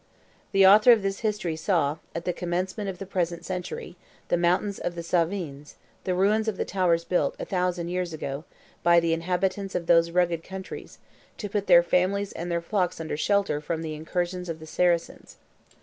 The author of this history saw, at the commencement of the present century, in the mountains of the Cevennes, the ruins of the towers built, a thousand years ago, by the inhabitants of those rugged countries, to put their families and their flocks under shelter from the incursions of the Saracens.